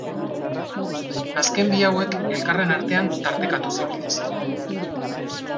Azken bi hauek elkarren artean tartekatuz ibili ziren.